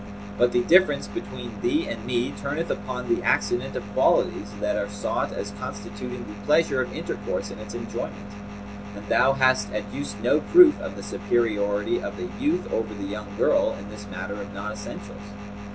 But the difference between thee and me turneth upon the accident of qualities that are sought as constituting the pleasure of intercourse and its enjoyment; and thou hast adduced no proof of the superiority of the youth over the young girl in this matter of non essentials.'